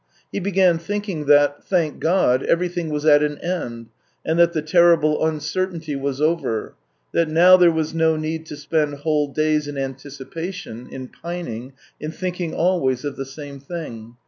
He began thinking that, thank God ! everything was at an end and that the terrible uncertainty was over; that now there was no need to spend whole days in anticipation, in pining, in thinking always of the same thing.